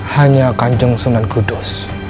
hanya kanjeng sunan kudus